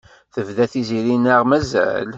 Tebda Tiziri neɣ mazal?